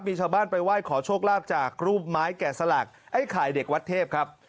มีชาวบ้านไปไหว้ขอโชคลาภจากรูปไม้แก่สลักไอ้ไข่เด็กวัดเทพครับ